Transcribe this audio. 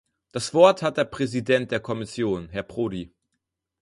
Das Wort hat der Präsident der Kommission, Herr Prodi.